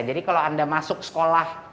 jadi kalau anda masuk sekolah